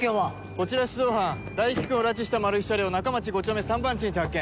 こちら出動班大樹君を拉致したマルヒ車両中町５丁目３番地にて発見。